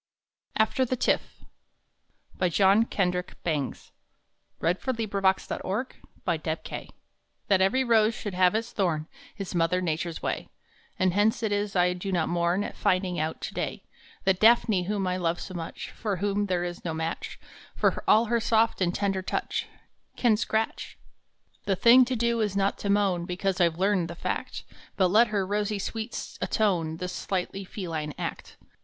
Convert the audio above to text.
kes the name and fame of me And treasures it in memory ! AFTER THE TIFF f | THAT every rose should have its thorn A Is Mother Nature s way, And hence it is I do not mourn At finding out to day That Daphne, whom I love so much, For whom there is no match, For all her soft and tender touch, Can scratch ! The thing to do is not to moan Because I ve learned the fact, But let her rosy sweets atone The slightly feline act.